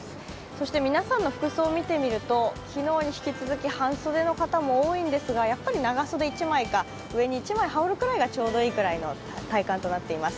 そして皆さんの服装見てみると昨日に引き続き半袖の方も多いんですが長袖１枚か上に１枚羽織るくらいがちょうどいいくらいの体感となっています。